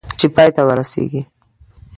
چې پای ته ورسېږي .